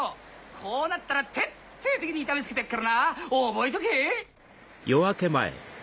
こうなったら徹底的に痛めつけてやっからな覚えとけ！